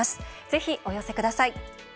ぜひお寄せください。